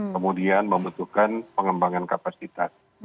kemudian membutuhkan pengembangan kapasitas